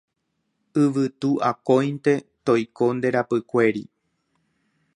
Yvytu akóinte toiko nde rapykuéri